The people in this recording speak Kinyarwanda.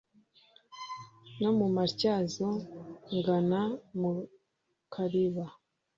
No mu Matyazo ngana mu Kaliba